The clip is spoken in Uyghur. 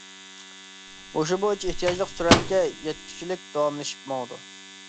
مۇشۇ بويىچە ئېھتىياجلىق سۈرئەتكە يەتكۈچىلىك داۋاملىشىپ ماڭىدۇ.